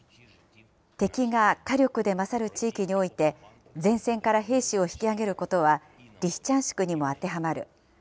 敵が火力で勝る地域において、前線から兵士を引き揚げることはリシチャンシクにも当てはまる。